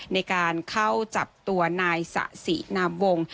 ในการเข้าจับตัวนายสะสินามวง